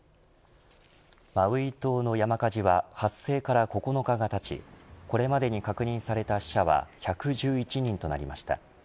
マウイ島の山火事は発生から９日がたちこれまでに確認された死者は１１１人となりました。